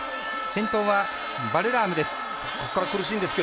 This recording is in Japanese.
先頭はバルラームです。